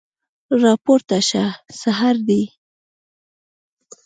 راپورته شه سحر دی